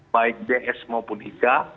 baik ds maupun ika